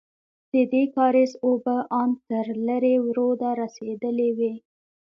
ددې کارېز اوبه ان تر لېرې روده رسېدلې وې.